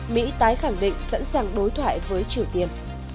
mỹ tái khẳng định sẵn sàng đối thoại với triều tiên